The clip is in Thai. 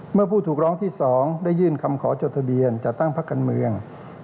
เมื่อผู้ถูกร้องที่๒ได้ยื่นคำขอจดทะเบียนจัดตั้งพักการเมือง